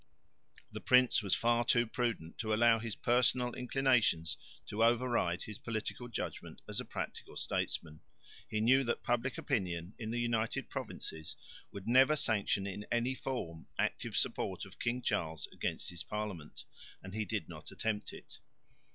The prince was far too prudent to allow his personal inclinations to override his political judgment as a practical statesman. He knew that public opinion in the United Provinces would never sanction in any form active support of King Charles against his parliament, and he did not attempt it.